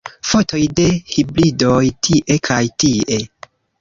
Fotoj de hibridoj tie kaj tie.